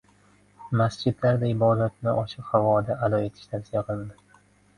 Masjidlarda ibodatni ochiq havoda ado etish tavsiya qilindi